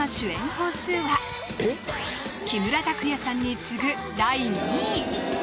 本数は木村拓哉さんに次ぐ第２位！